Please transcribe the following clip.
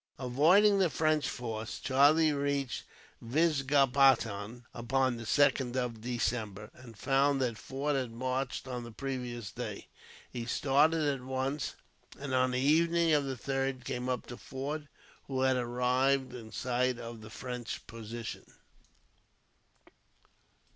Avoiding the French force, Charlie reached Vizagapatam upon the 2nd of December, and found that Forde had marched on the previous day. He started at once, and on the evening of the 3rd came up to Forde, who had arrived in sight of the French position.